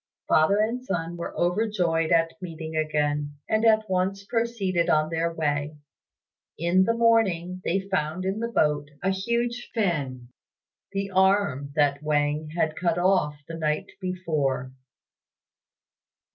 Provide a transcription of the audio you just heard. Father and son were overjoyed at meeting again, and at once proceeded on their way. In the morning they found in the boat a huge fin the arm that Wang had cut off the night before.